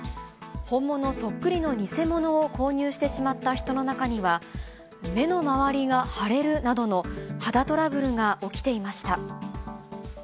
本物そっくりの偽物を購入してしまった人の中には、目の周りが腫れるなどの肌トラブルが起きていました。